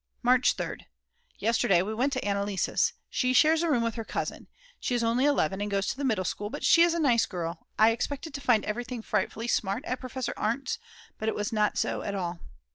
March 3rd. Yesterday we went to Anneliese's. She shares a room with her cousin; she is only 11 and goes to the middle school, but she is a nice girl I expected to find everything frightfully smart at Professor Arndt's, but it was not so at all.